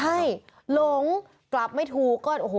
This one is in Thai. ใช่หลงกลับไม่ถูกก็โอ้โห